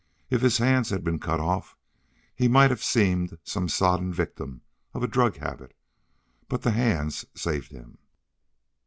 If his hands had been cut off, he might have seemed some sodden victim of a drug habit, but the hands saved him.